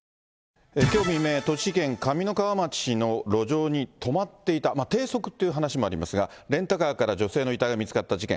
きょう未明、栃木県上三川町の路上に止まっていた、低速って話もありますが、レンタカーから女性の遺体が見つかった事件。